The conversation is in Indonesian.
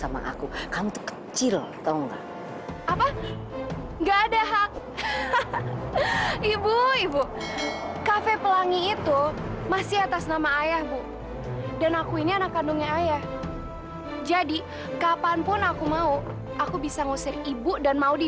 mampu di anakku aja nih mi